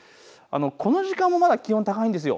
この時間もまだ気温高いんです。